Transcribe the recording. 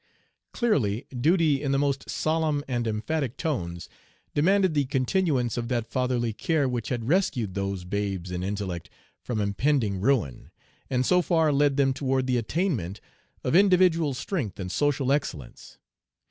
Clearly, duty, in the most solemn and emphatic tones, demanded the continuance of that fatherly care which had rescued those babes in intellect from impending ruin, and so far led them toward the attainment of individual strength and social excellence.